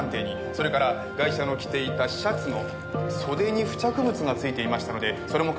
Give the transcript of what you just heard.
それからガイシャの着ていたシャツの袖に付着物がついていましたのでそれも鑑定に回します。